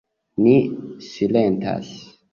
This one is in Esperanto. Ni silentas.